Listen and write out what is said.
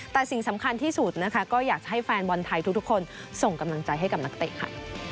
แต่สิ่งสำคัญที่สุดนะคะก็อยากให้แฟนบอลไทยทุกคนส่งกำลังใจให้กับนักเตะค่ะ